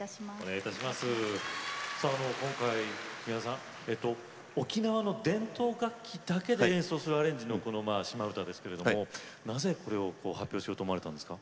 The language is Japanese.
今回、宮沢さん沖縄の伝統楽器だけで演奏するアレンジのこの「島唄」ですけれどもなぜこれを発表しようと思ったんですか？